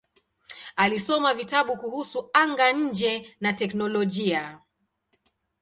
Alisoma vitabu kuhusu anga-nje na teknolojia.